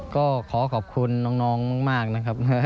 ก็ขอขอบคุณน้องมากนะครับ